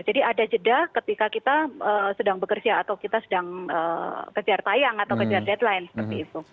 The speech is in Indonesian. jadi ada jeda ketika kita sedang bekerja atau kita sedang kejar tayang atau kejar deadline seperti itu